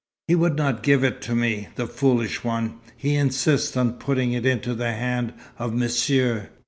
"He would not give it to me, the foolish one. He insists on putting it into the hand of Monsieur.